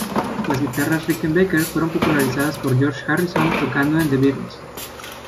Las guitarras Rickenbacker fueron popularizadas por George Harrison tocando en The Beatles.